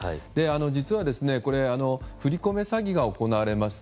実は、振り込め詐欺が行われますと